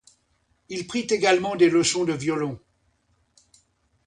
Il prit également des leçons de violon.